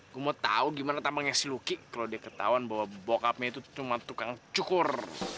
kamu mau tahu gimana tambangnya si luki kalau dia ketahuan bahwa bokapnya itu cuma tukang cukur